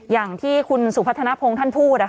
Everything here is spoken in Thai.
อย่างที่คุณสุพัฒนภงท่านพูด